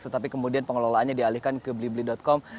tetapi kemudian pengelolaannya dialihkan ke blibli com